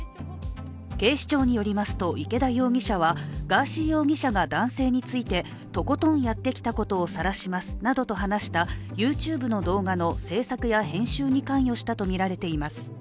警視庁によりますと、池田容疑者はガーシー容疑者が男性についてとことんやってきたことをさらしますなどと話したＹｏｕＴｕｂｅの動画の制作や編集に関与したとみられています。